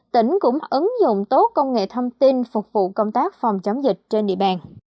tỉnh cũng ứng dụng tốt công nghệ thông tin phục vụ công tác phòng chống dịch trên địa bàn